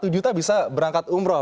satu juta bisa berangkat umroh